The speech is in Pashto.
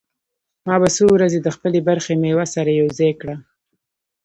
ما به څو ورځې د خپلې برخې مېوه سره يوځاى کړه.